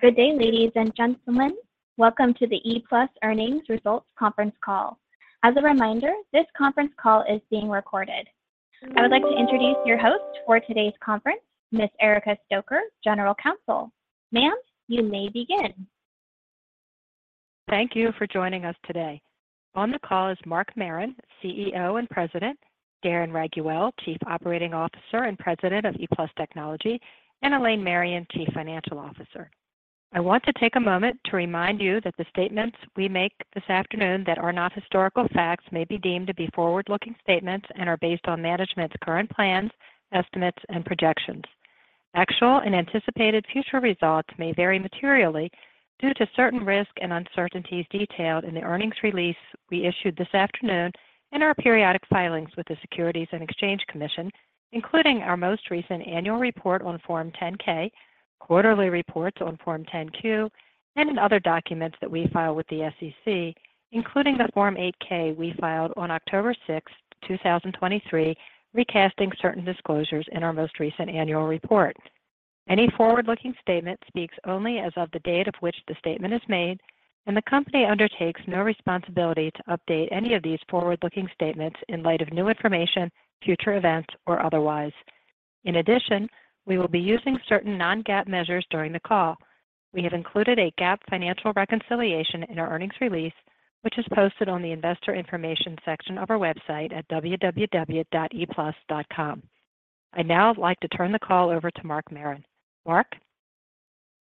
Good day, ladies and gentlemen. Welcome to the ePlus Earnings Results Conference Call. As a reminder, this conference call is being recorded. I would like to introduce your host for today's conference, Ms. Erica Stoecker, General Counsel. Ma'am, you may begin. Thank you for joining us today. On the call is Mark Marron, CEO and President, Darren Raiguel, Chief Operating Officer and President of ePlus Technology, and Elaine Marion, Chief Financial Officer. I want to take a moment to remind you that the statements we make this afternoon that are not historical facts may be deemed to be forward-looking statements and are based on management's current plans, estimates, and projections. Actual and anticipated future results may vary materially due to certain risks and uncertainties detailed in the earnings release we issued this afternoon and our periodic filings with the Securities and Exchange Commission, including our most recent annual report on Form 10-K, quarterly reports on Form 10-Q, and in other documents that we file with the SEC, including the Form 8-K we filed on October 6th, 2023, recasting certain disclosures in our most recent annual report. Any forward-looking statement speaks only as of the date of which the statement is made, and the company undertakes no responsibility to update any of these forward-looking statements in light of new information, future events, or otherwise. In addition, we will be using certain non-GAAP measures during the call. We have included a GAAP financial reconciliation in our earnings release, which is posted on the Investor Information section of our website at www.eplus.com. I'd now like to turn the call over to Mark Marron. Mark?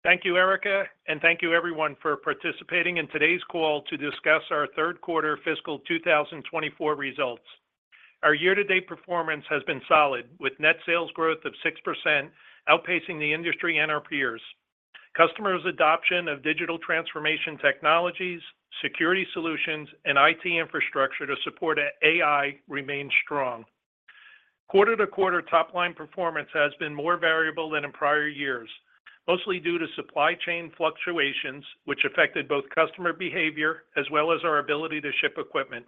Thank you, Erica, and thank you everyone for participating in today's call to discuss our Q3 fiscal 2024 results. Our year-to-date performance has been solid, with net sales growth of 6%, outpacing the industry and our peers. Customers' adoption of digital transformation technologies, security solutions, and IT infrastructure to support AI remains strong. Quarter-to-quarter top-line performance has been more variable than in prior years, mostly due to supply chain fluctuations, which affected both customer behavior as well as our ability to ship equipment.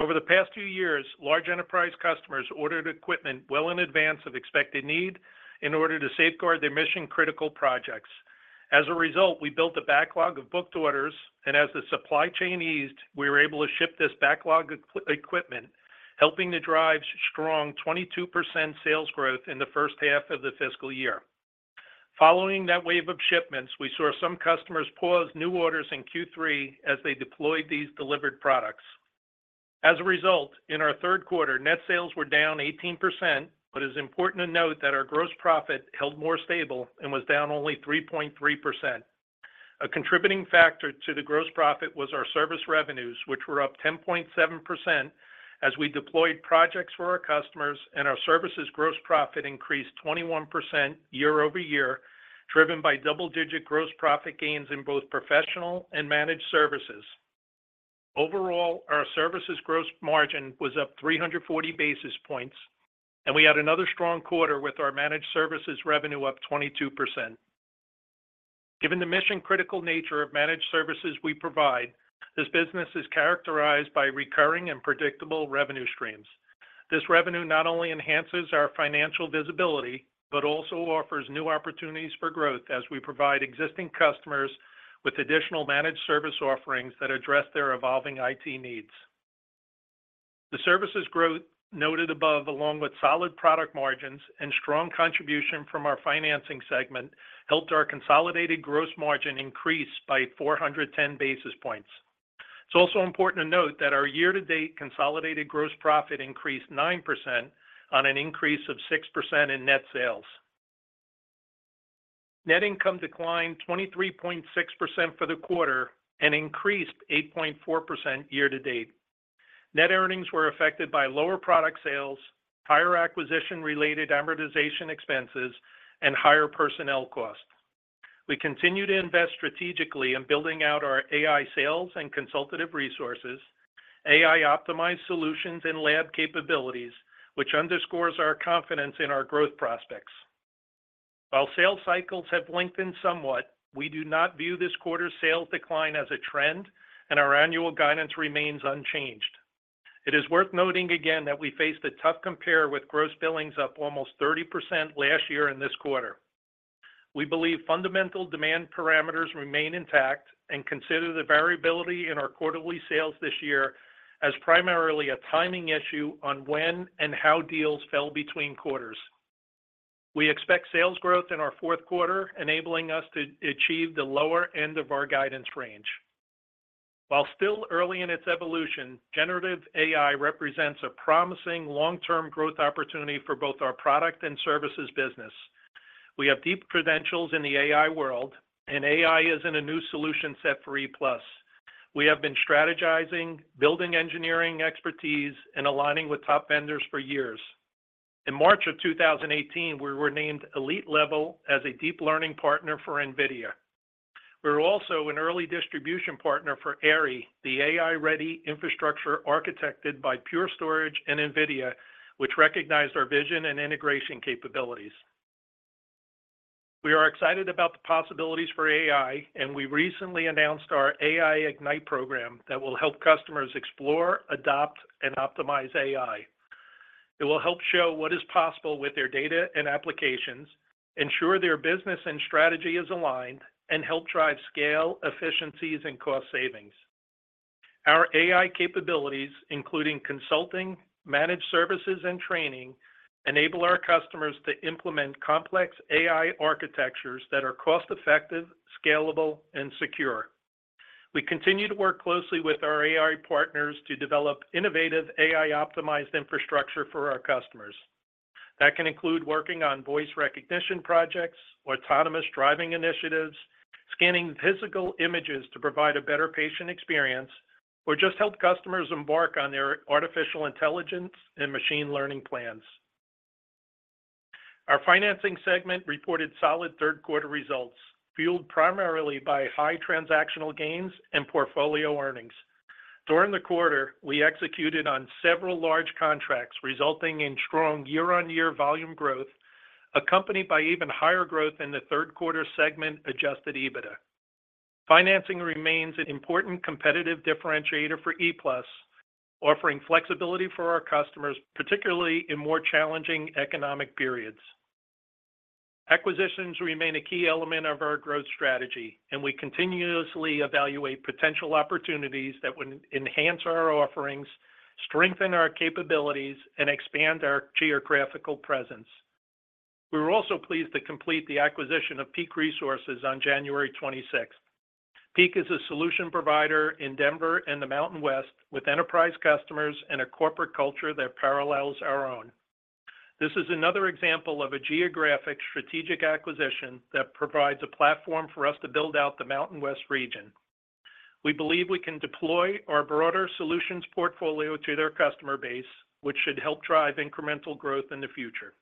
Over the past two years, large enterprise customers ordered equipment well in advance of expected need in order to safeguard their mission-critical projects. As a result, we built a backlog of booked orders, and as the supply chain eased, we were able to ship this backlog equipment, helping to drive strong 22% sales growth in the H1 of the fiscal year. Following that wave of shipments, we saw some customers pause new orders in Q3 as they deployed these delivered products. As a result, in our Q3, net sales were down 18%, but it's important to note that our gross profit held more stable and was down only 3.3%. A contributing factor to the gross profit was our service revenues, which were up 10.7% as we deployed projects for our customers, and our services gross profit increased 21% year-over-year, driven by double-digit gross profit gains in both professional and managed services. Overall, our services gross margin was up 340 basis points, and we had another strong quarter with our managed services revenue up 22%. Given the mission-critical nature of managed services we provide, this business is characterized by recurring and predictable revenue streams. This revenue not only enhances our financial visibility, but also offers new opportunities for growth as we provide existing customers with additional managed service offerings that address their evolving IT needs. The services growth noted above, along with solid product margins and strong contribution from our financing segment, helped our consolidated gross margin increase by 410 basis points. It's also important to note that our year-to-date consolidated gross profit increased 9% on an increase of 6% in net sales. Net income declined 23.6% for the quarter and increased 8.4% year to date. Net earnings were affected by lower product sales, higher acquisition-related amortization expenses, and higher personnel costs. We continue to invest strategically in building out our AI sales and consultative resources, AI-optimized solutions and lab capabilities, which underscores our confidence in our growth prospects. While sales cycles have lengthened somewhat, we do not view this quarter's sales decline as a trend, and our annual guidance remains unchanged. It is worth noting again that we faced a tough compare with gross billings up almost 30% last year in this quarter. We believe fundamental demand parameters remain intact and consider the variability in our quarterly sales this year as primarily a timing issue on when and how deals fell between quarters. We expect sales growth in our Q4, enabling us to achieve the lower end of our guidance range. While still early in its evolution, generative AI represents a promising long-term growth opportunity for both our product and services business. We have deep credentials in the AI world, and AI isn't a new solution set for ePlus. We have been strategizing, building engineering expertise, and aligning with top vendors for years. In March 2018, we were named Elite Level as a deep learning partner for NVIDIA. We were also an early distribution partner for AIRI, the AI-ready infrastructure architected by Pure Storage and NVIDIA, which recognized our vision and integration capabilities. We are excited about the possibilities for AI, and we recently announced our AI Ignite program that will help customers explore, adopt, and optimize AI. It will help show what is possible with their data and applications, ensure their business and strategy is aligned, and help drive scale, efficiencies, and cost savings. Our AI capabilities, including consulting, managed services, and training, enable our customers to implement complex AI architectures that are cost-effective, scalable, and secure. We continue to work closely with our AI partners to develop innovative AI-optimized infrastructure for our customers. That can include working on voice recognition projects, autonomous driving initiatives, scanning physical images to provide a better patient experience, or just help customers embark on their artificial intelligence and machine learning plans. Our financing segment reported solid Q3 results, fueled primarily by high transactional gains and portfolio earnings. During the quarter, we executed on several large contracts, resulting in strong year-on-year volume growth, accompanied by even higher growth in the Q3 segment adjusted EBITDA. Financing remains an important competitive differentiator for ePlus, offering flexibility for our customers, particularly in more challenging economic periods. Acquisitions remain a key element of our growth strategy, and we continuously evaluate potential opportunities that would enhance our offerings, strengthen our capabilities, and expand our geographical presence. We were also pleased to complete the acquisition of PEAK Resources on January 26th. PEAK is a solution provider in Denver and the Mountain West, with enterprise customers and a corporate culture that parallels our own. This is another example of a geographic strategic acquisition that provides a platform for us to build out the Mountain West region. We believe we can deploy our broader solutions portfolio to their customer base, which should help drive incremental growth in the future.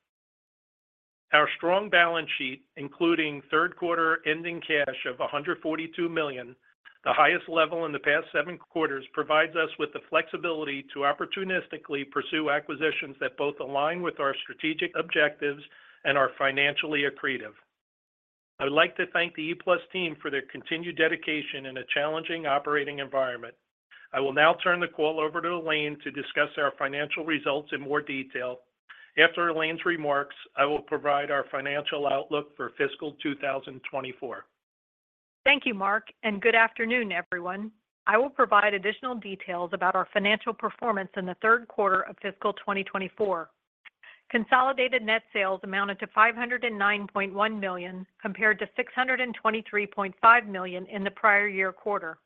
Our strong balance sheet, including Q3 ending cash of $142 million, the highest level in the past 7 quarters, provides us with the flexibility to opportunistically pursue acquisitions that both align with our strategic objectives and are financially accretive. I would like to thank the ePlus team for their continued dedication in a challenging operating environment. I will now turn the call over to Elaine to discuss our financial results in more detail. After Elaine's remarks, I will provide our financial outlook for fiscal 2024. Thank you, Mark, and good afternoon, everyone. I will provide additional details about our financial performance in the Q3 of fiscal 2024. Consolidated net sales amounted to $509.1 million, compared to $623.5 million in the prior year quarter.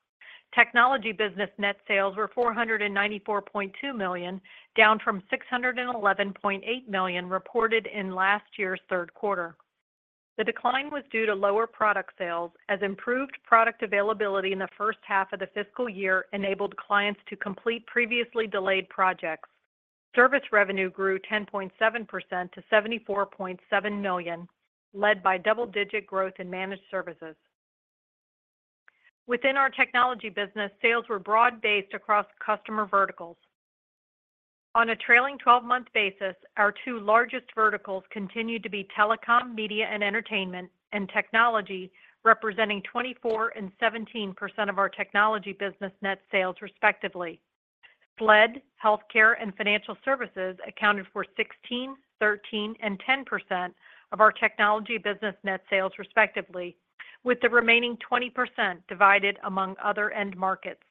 Technology business net sales were $494.2 million, down from $611.8 million reported in last year's Q3. The decline was due to lower product sales, as improved product availability in the H1 of the fiscal year enabled clients to complete previously delayed projects. Service revenue grew 10.7% to $74.7 million, led by double-digit growth in managed services. Within our technology business, sales were broad-based across customer verticals. On a trailing 12 month basis, our two largest verticals continued to be telecom, media, and entertainment, and technology, representing 24% and 17% of our technology business net sales, respectively. SLED, healthcare, and financial services accounted for 16%, 13%, and 10% of our technology business net sales, respectively, with the remaining 20% divided among other end markets.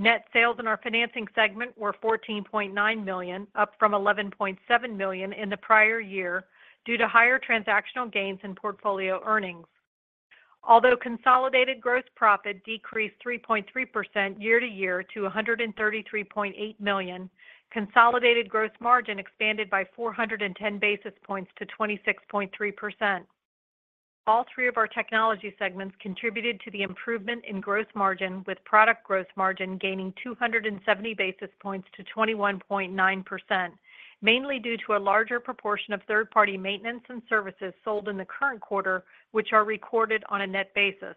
Net sales in our financing segment were $14.9 million, up from $11.7 million in the prior year, due to higher transactional gains in portfolio earnings. Although consolidated gross profit decreased 3.3% year-to-year to $133.8 million, consolidated gross margin expanded by 410 basis points to 26.3%. All three of our technology segments contributed to the improvement in gross margin, with product gross margin gaining 270 basis points to 21.9%, mainly due to a larger proportion of third-party maintenance and services sold in the current quarter, which are recorded on a net basis.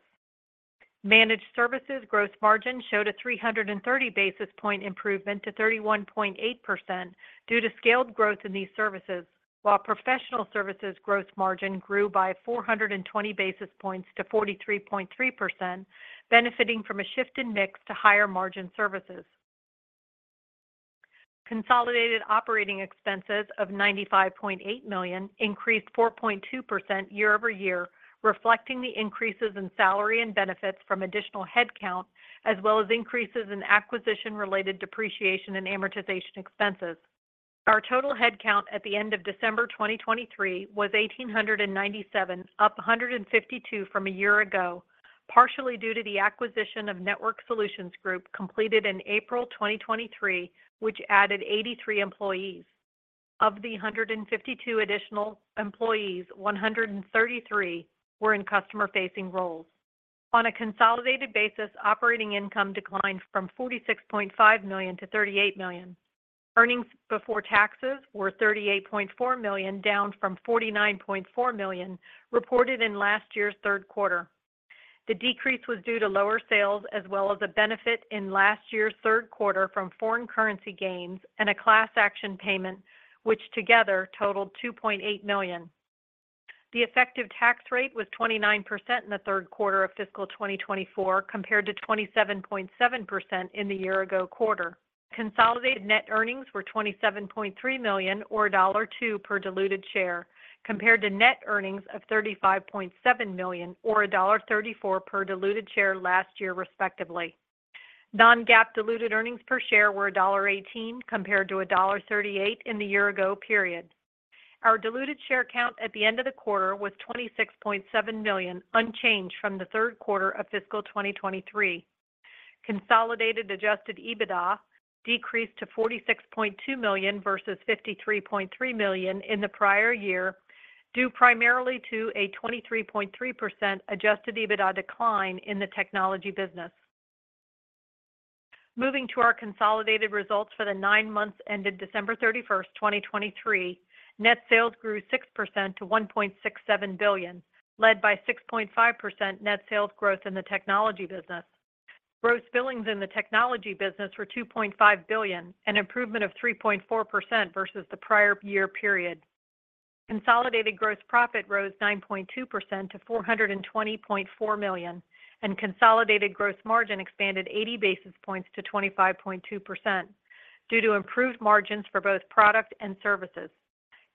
Managed services gross margin showed a 330 basis point improvement to 31.8% due to scaled growth in these services, while professional services gross margin grew by 420 basis points to 43.3%, benefiting from a shift in mix to higher-margin services. Consolidated operating expenses of $95.8 million increased 4.2% year-over-year, reflecting the increases in salary and benefits from additional headcount, as well as increases in acquisition-related depreciation and amortization expenses. Our total headcount at the end of December 2023 was 1,897, up 152 from a year ago, partially due to the acquisition of Network Solutions Group, completed in April 2023, which added 83 employees. Of the 152 additional employees, 133 were in customer-facing roles. On a consolidated basis, operating income declined from $46.5 million to $38 million. Earnings before taxes were $38.4 million, down from $49.4 million reported in last year's Q3. The decrease was due to lower sales as well as a benefit in last year's Q3 from foreign currency gains and a class action payment, which together totaled $2.8 million. The effective tax rate was 29% in the Q3 of fiscal 2024, compared to 27.7% in the year ago quarter. Consolidated net earnings were $27.3 million, or $1.02 per diluted share, compared to net earnings of $35.7 million, or $1.34 per diluted share last year, respectively. Non-GAAP diluted earnings per share were $1.18, compared to $1.38 in the year ago period. Our diluted share count at the end of the quarter was 26.7 million, unchanged from the Q3 of fiscal 2023. Consolidated Adjusted EBITDA decreased to $46.2 million versus $53.3 million in the prior year, due primarily to a 23.3% Adjusted EBITDA decline in the technology business. Moving to our consolidated results for the nine months ended December 31, 2023, net sales grew 6% to $1.67 billion, led by 6.5% net sales growth in the technology business. Gross billings in the technology business were $2.5 billion, an improvement of 3.4% versus the prior year period. Consolidated gross profit rose 9.2% to $420.4 million, and consolidated gross margin expanded 80 basis points to 25.2%, due to improved margins for both product and services.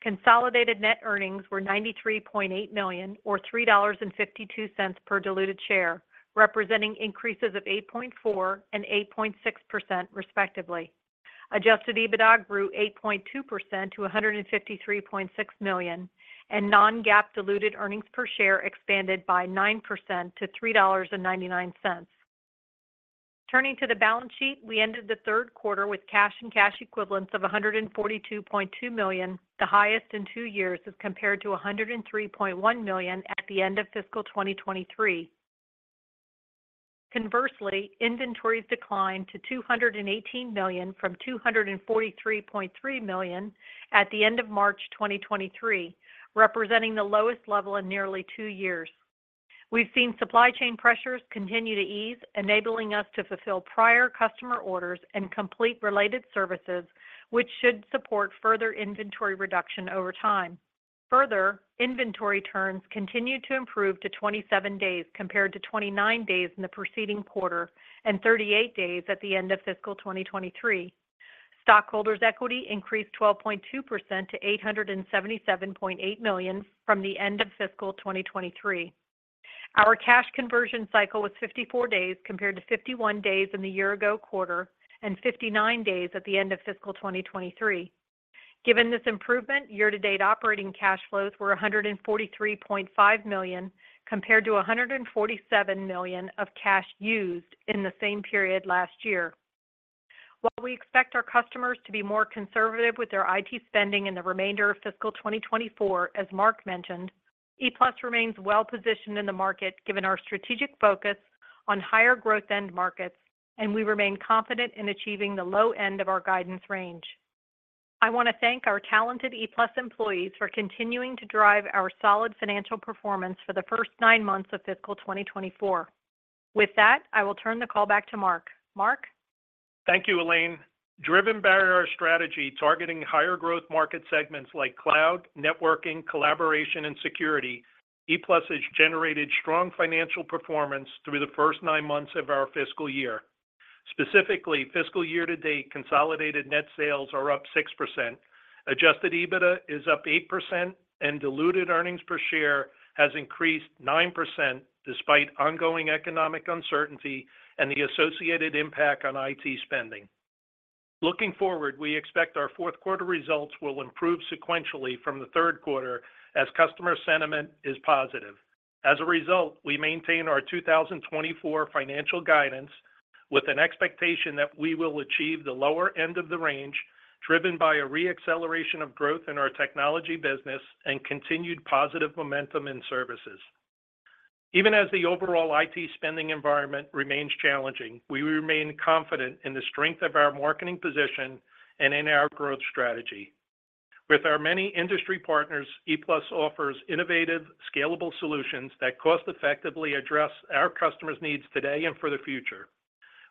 Consolidated net earnings were $93.8 million, or $3.52 per diluted share, representing increases of 8.4% and 8.6%, respectively. Adjusted EBITDA grew 8.2% to $153.6 million, and non-GAAP diluted earnings per share expanded by 9% to $3.99. Turning to the balance sheet, we ended the Q3 with cash and cash equivalents of $142.2 million, the highest in two years, as compared to $103.1 million at the end of fiscal 2023. Conversely, inventories declined to $218 million from $243.3 million at the end of March 2023, representing the lowest level in nearly two years. We've seen supply chain pressures continue to ease, enabling us to fulfill prior customer orders and complete related services, which should support further inventory reduction over time. Further, inventory turns continued to improve to 27 days, compared to 29 days in the preceding quarter and 38 days at the end of fiscal 2023. Stockholders' equity increased 12.2% to $877.8 million from the end of fiscal 2023. Our cash conversion cycle was 54 days, compared to 51 days in the year ago quarter and 59 days at the end of fiscal 2023. Given this improvement, year-to-date operating cash flows were $143.5 million, compared to $147 million of cash used in the same period last year. While we expect our customers to be more conservative with their IT spending in the remainder of fiscal 2024, as Mark mentioned, ePlus remains well-positioned in the market, given our strategic focus on higher growth end markets, and we remain confident in achieving the low end of our guidance range. I want to thank our talented ePlus employees for continuing to drive our solid financial performance for the first nine months of fiscal 2024. With that, I will turn the call back to Mark. Mark? Thank you, Elaine. Driven by our strategy, targeting higher growth market segments like cloud, networking, collaboration, and security, ePlus has generated strong financial performance through the first nine months of our fiscal year. Specifically, fiscal year to date, consolidated net sales are up 6%, Adjusted EBITDA is up 8%, and diluted earnings per share has increased 9%, despite ongoing economic uncertainty and the associated impact on IT spending. Looking forward, we expect our Q4 results will improve sequentially from the Q3 as customer sentiment is positive. As a result, we maintain our 2024 financial guidance with an expectation that we will achieve the lower end of the range, driven by a re-acceleration of growth in our technology business and continued positive momentum in services. Even as the overall IT spending environment remains challenging, we remain confident in the strength of our marketing position and in our growth strategy. With our many industry partners, ePlus offers innovative, scalable solutions that cost-effectively address our customers' needs today and for the future.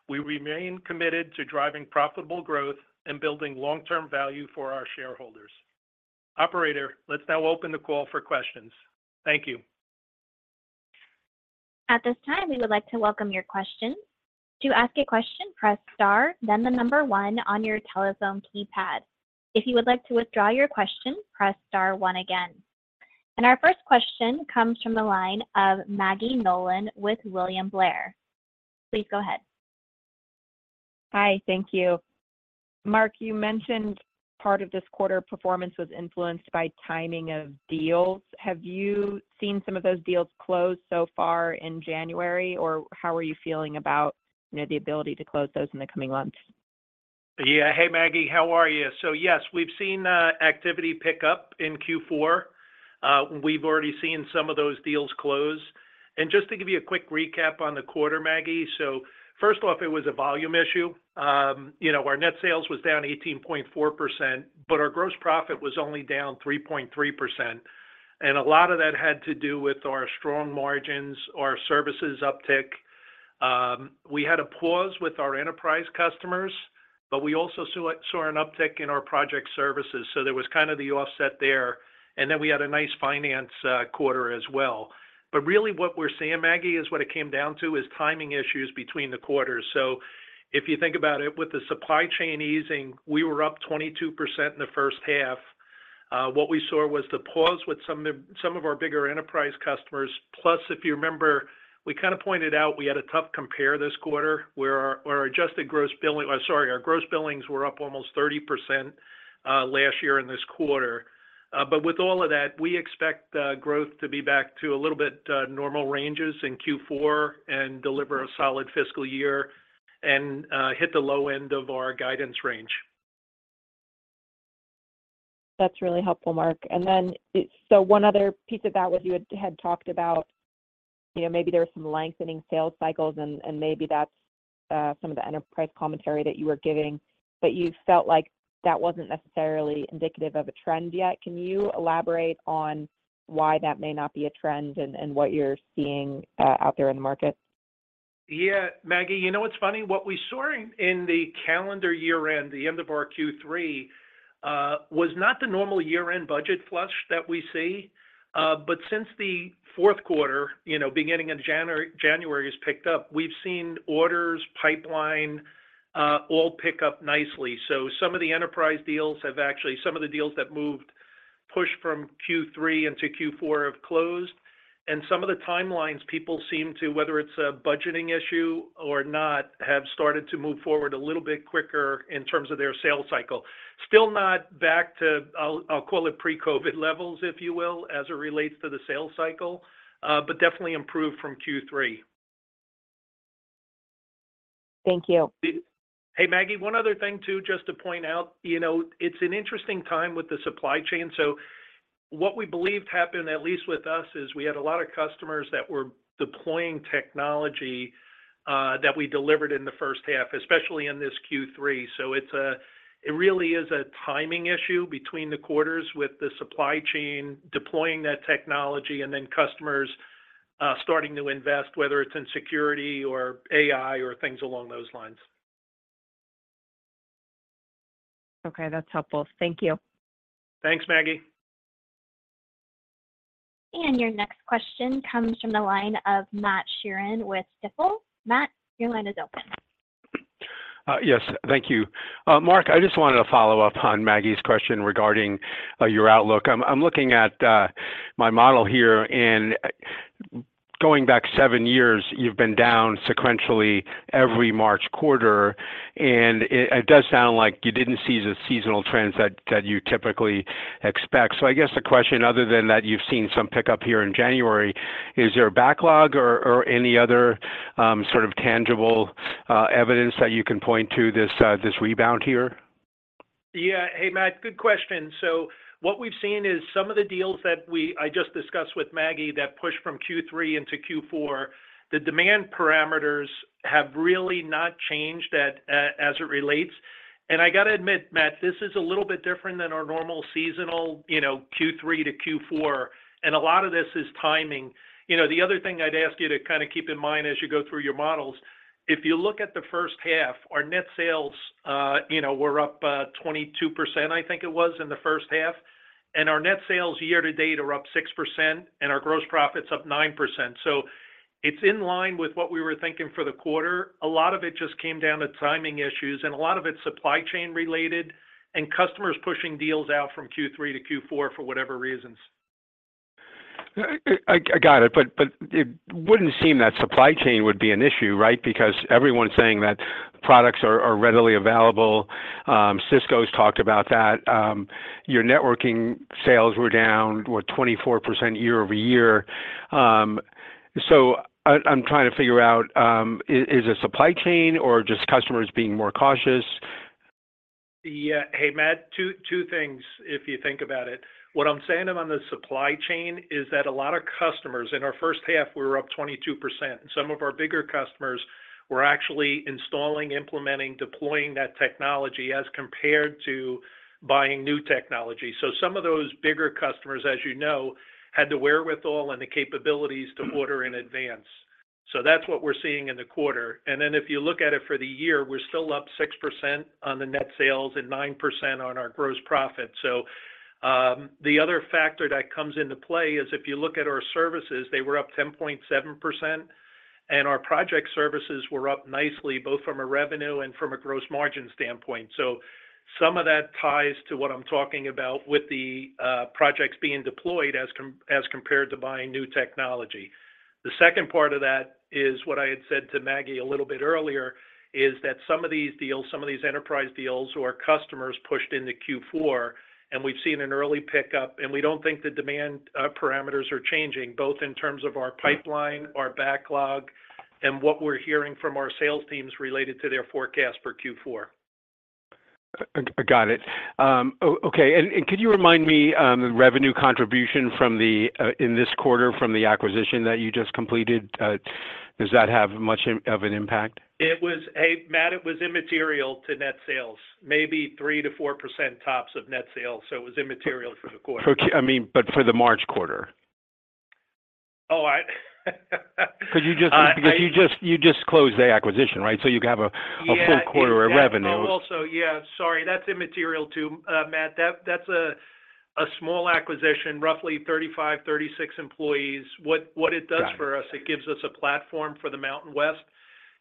We remain committed to driving profitable growth and building long-term value for our shareholders. Operator, let's now open the call for questions. Thank you. At this time, we would like to welcome your questions. To ask a question, press star, then the number one on your telephone keypad. If you would like to withdraw your question, press star one again. Our first question comes from the line of Maggie Nolan with William Blair. Please go ahead. Hi, thank you. Mark, you mentioned part of this quarter performance was influenced by timing of deals. Have you seen some of those deals close so far in January, or how are you feeling about, you know, the ability to close those in the coming months? Yeah. Hey, Maggie, how are you? So yes, we've seen activity pick up in Q4. We've already seen some of those deals close. And just to give you a quick recap on the quarter, Maggie, so first off, it was a volume issue. You know, our net sales was down 18.4%, but our gross profit was only down 3.3%. And a lot of that had to do with our strong margins, our services uptick. We had a pause with our enterprise customers, but we also saw an uptick in our project services. So there was kind of the offset there, and then we had a nice finance quarter as well. But really, what we're seeing, Maggie, is what it came down to, is timing issues between the quarters. So if you think about it, with the supply chain easing, we were up 22% in the H1. What we saw was the pause with some of, some of our bigger enterprise customers. Plus, if you remember, we kind of pointed out we had a tough compare this quarter, where our gross billings were up almost 30%, last year in this quarter. But with all of that, we expect growth to be back to a little bit normal ranges in Q4 and deliver a solid fiscal year and hit the low end of our guidance range. That's really helpful, Mark. So one other piece of that was you had talked about, you know, maybe there were some lengthening sales cycles and maybe that's some of the enterprise commentary that you were giving, but you felt like that wasn't necessarily indicative of a trend yet. Can you elaborate on why that may not be a trend and what you're seeing out there in the market? Yeah, Maggie, you know what's funny? What we saw in the calendar year-end, the end of our Q3, was not the normal year-end budget flush that we see. But since the Q4, you know, beginning in January, January has picked up, we've seen orders, pipeline, all pick up nicely. So some of the enterprise deals have actually, some of the deals that moved, pushed from Q3 into Q4 have closed, and some of the timelines people seem to, whether it's a budgeting issue or not, have started to move forward a little bit quicker in terms of their sales cycle. Still not back to, I'll call it pre-COVID levels, if you will, as it relates to the sales cycle, but definitely improved from Q3. Thank you. Hey, Maggie, one other thing, too, just to point out, you know, it's an interesting time with the supply chain. So what we believed happened, at least with us, is we had a lot of customers that were deploying technology that we delivered in the H1, especially in this Q3. So it's a timing issue between the quarters with the supply chain, deploying that technology, and then customers starting to invest, whether it's in security or AI or things along those lines. Okay, that's helpful. Thank you. Thanks, Maggie. Your next question comes from the line of Matt Sheerin with Stifel. Matt, your line is open. Yes, thank you. Mark, I just wanted to follow up on Maggie's question regarding your outlook. I'm looking at my model here, and going back seven years, you've been down sequentially every March quarter, and it does sound like you didn't see the seasonal trends that you typically expect. So I guess the question, other than that, you've seen some pickup here in January, is there a backlog or any other sort of tangible evidence that you can point to this rebound here? Yeah. Hey, Matt, good question. So what we've seen is some of the deals that I just discussed with Maggie, that pushed from Q3 into Q4, the demand parameters have really not changed that, as it relates. And I got to admit, Matt, this is a little bit different than our normal seasonal, you know, Q3 to Q4, and a lot of this is timing. You know, the other thing I'd ask you to kind of keep in mind as you go through your models, if you look at the H1, our net sales, you know, were up 22%, I think it was, in the H1, and our net sales year to date are up 6%, and our gross profit's up 9%. So it's in line with what we were thinking for the quarter. A lot of it just came down to timing issues, and a lot of it's supply chain related and customers pushing deals out from Q3 to Q4 for whatever reasons. I got it, but it wouldn't seem that supply chain would be an issue, right? Because everyone's saying that products are readily available. Cisco's talked about that. Your networking sales were down, what, 24% year-over-year. So I'm trying to figure out, is it supply chain or just customers being more cautious? Yeah. Hey, Matt, two things, if you think about it. What I'm saying on the supply chain is that a lot of customers, in our H1, we were up 22%, and some of our bigger customers were actually installing, implementing, deploying that technology as compared to buying new technology. So some of those bigger customers, as you know, had the wherewithal and the capabilities to order in advance. So that's what we're seeing in the quarter. And then if you look at it for the year, we're still up 6% on the net sales and 9% on our gross profit. So, the other factor that comes into play is, if you look at our services, they were up 10.7%, and our project services were up nicely, both from a revenue and from a gross margin standpoint. So some of that ties to what I'm talking about with the projects being deployed as compared to buying new technology. The second part of that is, what I had said to Maggie a little bit earlier, is that some of these deals, some of these enterprise deals or customers pushed into Q4, and we've seen an early pickup, and we don't think the demand parameters are changing, both in terms of our pipeline, our backlog, and what we're hearing from our sales teams related to their forecast for Q4. I got it. Okay, and could you remind me the revenue contribution from the in this quarter from the acquisition that you just completed? Does that have much of an impact? Hey, Matt, it was immaterial to Net Sales, maybe 3%-4% tops of Net Sales, so it was immaterial for the quarter. I mean, but for the March quarter? Oh, I... Could you just- I- Because you just closed the acquisition, right? So you have a- Yeah. a full quarter of revenue. Oh, also, yeah, sorry, that's immaterial too, Matt. That's a small acquisition, roughly 35, 36 employees. What it does- Got it.... for us, it gives us a platform for the Mountain West,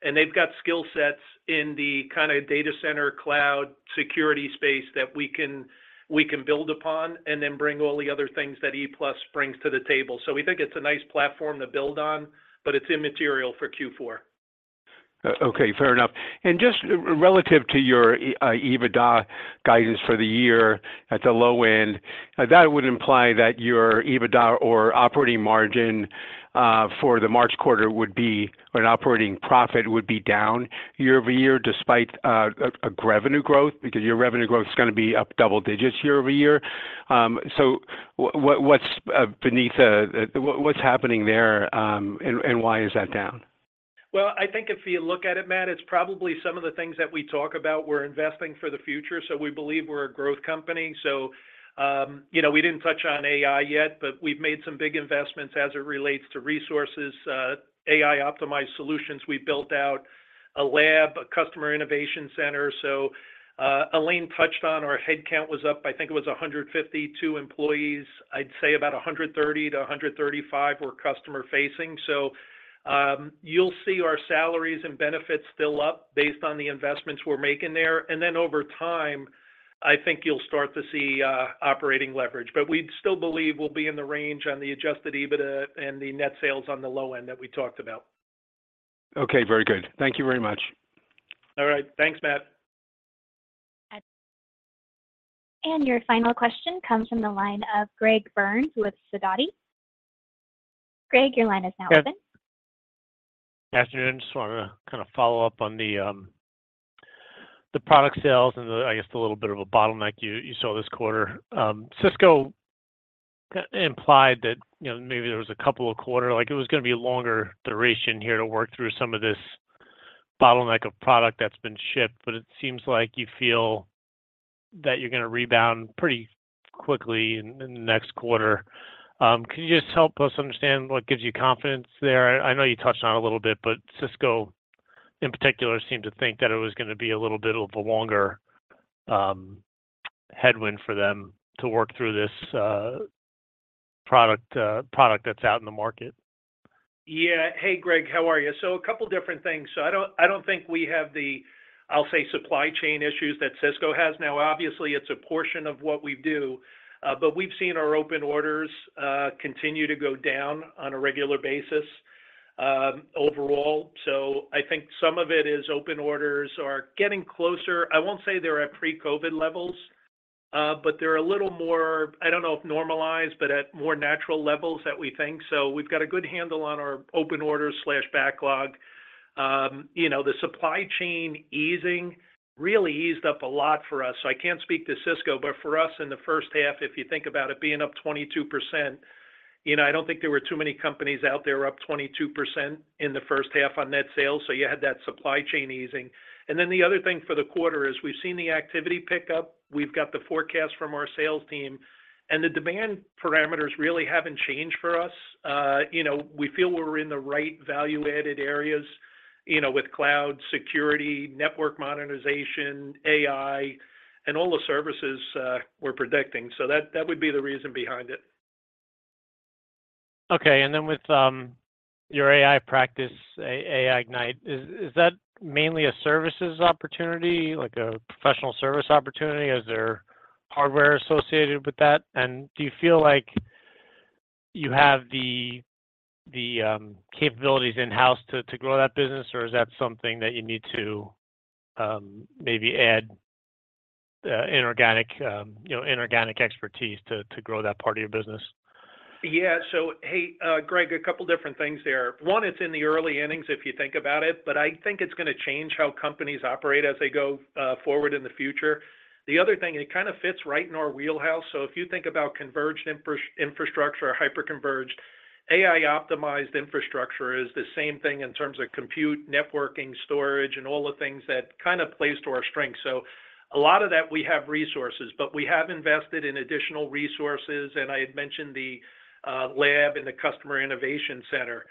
and they've got skill sets in the kind of data center, cloud, security space that we can, we can build upon and then bring all the other things that ePlus brings to the table. So we think it's a nice platform to build on, but it's immaterial for Q4. Okay, fair enough. And just relative to your EBITDA guidance for the year at the low end, that would imply that your EBITDA or operating margin for the March quarter would be or an operating profit would be down year-over-year, despite a revenue growth, because your revenue growth is gonna be up double digits year-over-year. So what's beneath- what's happening there, and why is that down? Well, I think if you look at it, Matt, it's probably some of the things that we talk about. We're investing for the future, so we believe we're a growth company. So, you know, we didn't touch on AI yet, but we've made some big investments as it relates to resources, AI-optimized solutions. We built out a lab, a customer innovation center. So, Elaine touched on our headcount was up, I think it was 152 employees. I'd say about 130 to 135 were customer facing. So, you'll see our salaries and benefits still up based on the investments we're making there. And then over time, I think you'll start to see, operating leverage. But we still believe we'll be in the range on the Adjusted EBITDA and the Net Sales on the low end that we talked about. Okay, very good. Thank you very much. All right. Thanks, Matt. Your final question comes from the line of Greg Burns with Sidoti. Greg, your line is now open. Good afternoon. Just wanted to kind of follow up on the product sales and the, I guess, the little bit of a bottleneck you saw this quarter. Cisco implied that, you know, maybe there was a couple of quarters, like it was gonna be a longer duration here to work through some of this bottleneck of product that's been shipped, but it seems like you feel that you're gonna rebound pretty quickly in the next quarter. Could you just help us understand what gives you confidence there? I know you touched on it a little bit, but Cisco, in particular, seemed to think that it was gonna be a little bit of a longer headwind for them to work through this product that's out in the market. Yeah. Hey, Greg. How are you? So a couple different things. So I don't, I don't think we have the, I'll say, supply chain issues that Cisco has. Now, obviously, it's a portion of what we do, but we've seen our open orders continue to go down on a regular basis, overall. So I think some of it is open orders are getting closer. I won't say they're at pre-COVID levels, but they're a little more, I don't know if normalized, but at more natural levels that we think. So we've got a good handle on our open orders/backlog. You know, the supply chain easing really eased up a lot for us. So I can't speak to Cisco, but for us in the H1, if you think about it being up 22%, you know, I don't think there were too many companies out there up 22% in the H1 on net sales. So you had that supply chain easing. And then the other thing for the quarter is we've seen the activity pick up, we've got the forecast from our sales team, and the demand parameters really haven't changed for us. You know, we feel we're in the right value-added areas, you know, with cloud, security, network modernization, AI, and all the services we're predicting. So that, that would be the reason behind it. Okay. And then with your AI practice, AI Ignite, is that mainly a services opportunity, like a professional service opportunity? Is there hardware associated with that? And do you feel like you have the capabilities in-house to grow that business, or is that something that you need to maybe add inorganic, you know, inorganic expertise to grow that part of your business? Yeah. So, hey, Greg, a couple different things there. One, it's in the early innings, if you think about it, but I think it's gonna change how companies operate as they go forward in the future. The other thing, and it kind of fits right in our wheelhouse, so if you think about converged infrastructure or hyperconverged, AI-optimized infrastructure is the same thing in terms of compute, networking, storage, and all the things that kind of plays to our strength. So a lot of that we have resources, but we have invested in additional resources, and I had mentioned the lab and the customer innovation center.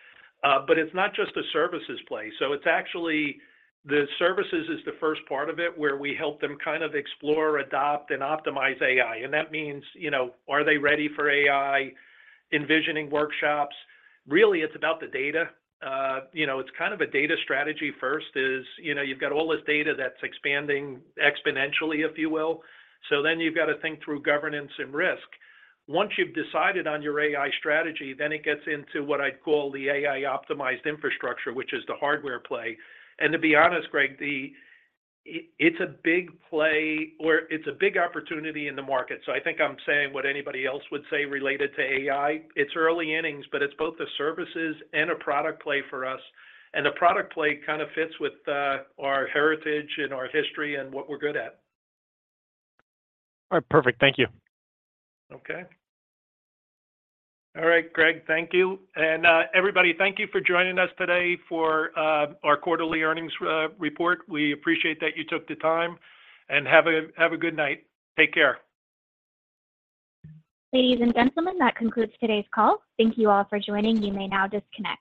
But it's not just a services play. So it's actually, the services is the first part of it, where we help them kind of explore, adopt, and optimize AI. And that means, you know, are they ready for AI, envisioning workshops. Really, it's about the data. You know, it's kind of a data strategy first is, you know, you've got all this data that's expanding exponentially, if you will. So then you've got to think through governance and risk. Once you've decided on your AI strategy, then it gets into what I'd call the AI-optimized infrastructure, which is the hardware play. And to be honest, Greg, it's a big play, or it's a big opportunity in the market. So I think I'm saying what anybody else would say related to AI. It's early innings, but it's both a services and a product play for us, and the product play kind of fits with our heritage and our history and what we're good at. All right. Perfect. Thank you. Okay. All right, Greg, thank you. Everybody, thank you for joining us today for our quarterly earnings report. We appreciate that you took the time, and have a good night. Take care. Ladies and gentlemen, that concludes today's call. Thank you all for joining. You may now disconnect.